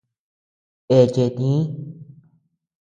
Eche tïi.